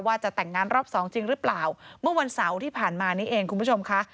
ว่าจะแต่งงานรอบสองจริงหรือเปล่าเมื่อวันเสาร์ที่ผ่านมานี้เองคุณผู้ชมค่ะ